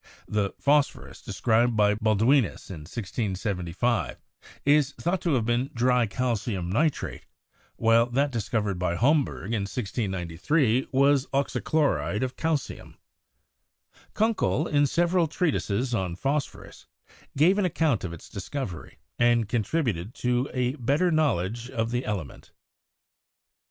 The "phosphorus" described by Balduinus in 1675 is thought to have been dry calcium nitrate, while that discovered by Homberg in 1693 was an oxychloride of calcium. Kunckel, in several treatises on phosphorus, gave an account of its discovery and contributed to a better knowledge of the element.